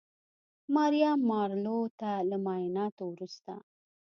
ماریا مارلو ته له معاینانو وروسته